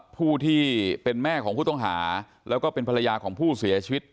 ผู้ที่เป็นแม่ของผู้ต้องหาแล้วก็เป็นภรรยาของผู้เสียชีวิต